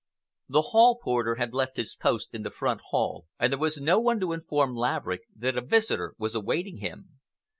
The hall porter had left his post in the front hall, and there was no one to inform Laverick that a visitor was awaiting him.